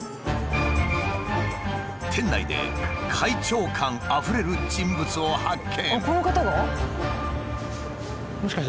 店内で会長感あふれる人物を発見。